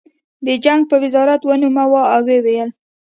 د جنګ په وزارت ونوموه او ویې ویل